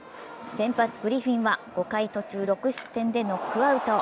先発・グリフィンは５回途中６失点でノックアウト。